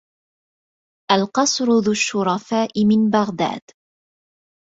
القصر ذو الشرفاء من بغداد